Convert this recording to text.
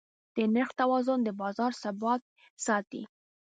د نرخ توازن د بازار ثبات ساتي.